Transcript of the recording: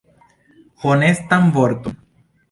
Honestan vorton.